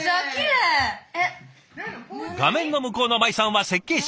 画面の向こうの舞さんは設計士。